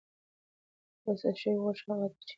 پروسس شوې غوښه هغه ده چې ساتل شوې یا بدلون پرې راغلی وي.